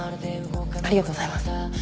ありがとうございます。